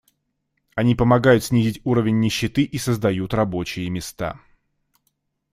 Они помогают снизить уровень нищеты и создают рабочие места.